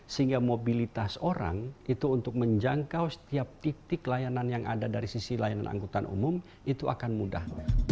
sehingga mobilitas orang itu untuk menjangkau setiap titik layanan yang ada dari sisi layanan angkutan umum itu akan mudah